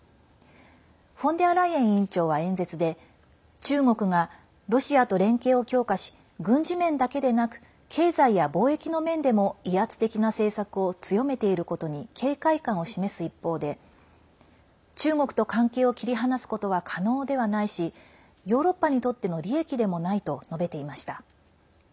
フォンデアライエン委員長は演説で中国がロシアと連携を強化し軍事面だけでなく経済や貿易の面でも威圧的な政策を強めていることに警戒感を示す一方で中国と関係を切り離すことは可能ではないしヨーロッパにとっての利益でもないと述べていました。